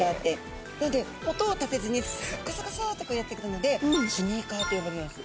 なので音を立てずにコソコソッとこうやって来たのでスニーカーと呼ばれます。